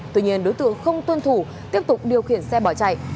tuy nhiên đối tượng không tuân thủ tiếp tục điều khiển xe bỏ chạy